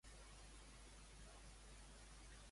De què va era responsable a la guerra?